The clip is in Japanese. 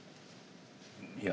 いや。